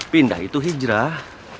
pindah itu hijrah